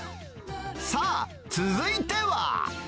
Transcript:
さあ、続いては。